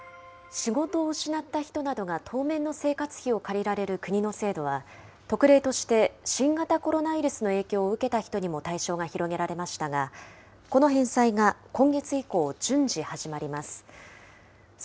仕事を失った人などが当面の生活費を借りられる国の制度は、特例として新型コロナウイルスの影響を受けた人にも対象が広げられましたが、この返済が今月以降、順次始まります。